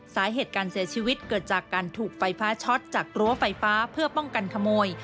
สาเหตุการเสียชีวิตเกิดจากการถูกไฟฟ้าช็อตจากรั้วไฟฟ้าเพื่อป้องกันขโมย